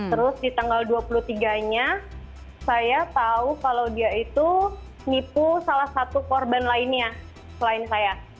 terus di tanggal dua puluh tiga nya saya tahu kalau dia itu nipu salah satu korban lainnya selain saya